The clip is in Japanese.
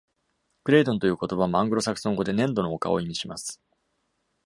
クレイドンという言葉もアングロサクソン語で、「粘土の丘」を意味します。